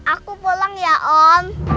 aku pulang ya om